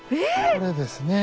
これですね。